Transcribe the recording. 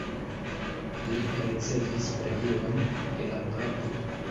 Li ricevis premion de la papo.